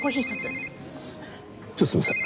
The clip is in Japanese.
ちょっとすいません。